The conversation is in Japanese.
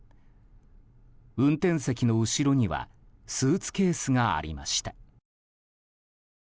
運転席の後ろにはスーツケースがありました。